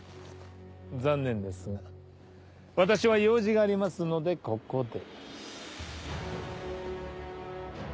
残念ですが私は用事がありますのでここで。